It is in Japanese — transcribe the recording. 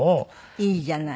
いいじゃない。